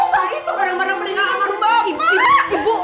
kamu tuh banget yang sakit sih